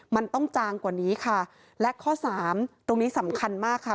มันต้องจางกว่านี้ค่ะและข้อสามตรงนี้สำคัญมากค่ะ